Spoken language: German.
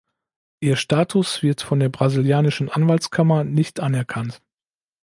Ihr Status wird von der brasilianischen Anwaltskammer nicht anerkannt.